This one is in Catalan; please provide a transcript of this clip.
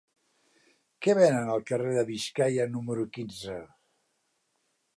Què venen al carrer de Biscaia número quinze?